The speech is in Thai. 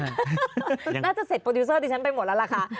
น่าจะเสร็จโปรดิวเซอร์ดิฉันไปหมดแล้วล่ะค่ะ